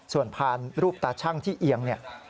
ส่วนผ่านรูปตาชั่งที่เอียง